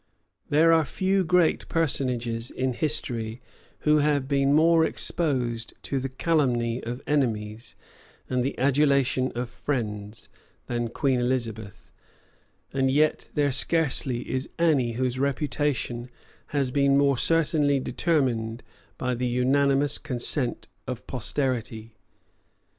There are few great personages in history who have been more exposed to the calumny of enemies and the adulation of friends than Queen Elizabeth; and yet there scarcely is any whose reputation has been more certainly determined by the unanimous consent of posterity.